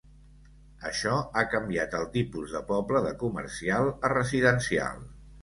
Això ha canviat el tipus de poble de comercial a residencial.